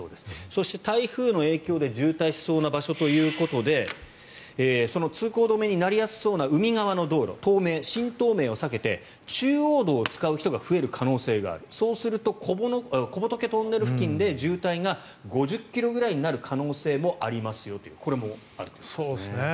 そして、台風の影響で渋滞しそうな場所ということで通行止めになりやすそうな海側の道路東名、新東名を避けて中央道を使う人が増える可能性があるそうすると小仏トンネル付近で渋滞が５０ｋｍぐらいになる可能性もありますよというこれもあるんですね。